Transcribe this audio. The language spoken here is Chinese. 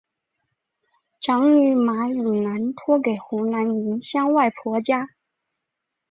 长女马以南托给湖南宁乡外婆家。